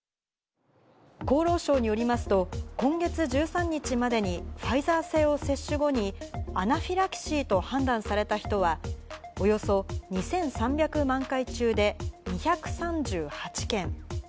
厚労省によりますと、今月１３日までに、ファイザー製を接種後にアナフィラキシーと判断された人は、およそ２３００万回中で２３８件。